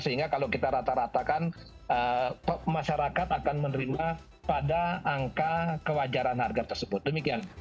sehingga kalau kita rata ratakan masyarakat akan menerima pada angka kewajaran harga tersebut demikian